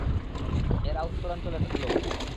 ওরা উত্তরাঞ্চলের লোক।